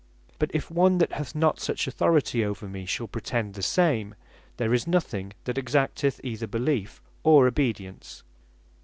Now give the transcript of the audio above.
But if one that hath not such authority over me, shall pretend the same, there is nothing that exacteth either beleefe, or obedience.